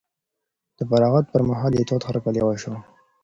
د فراغت پر مهال یې تود هرکلی وشو.